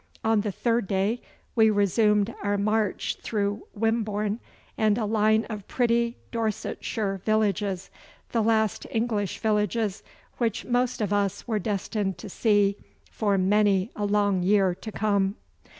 On the third day we resumed our march through Wimbourne and a line of pretty Dorsetshire villages the last English villages which most of us were destined to see for many a long year to come.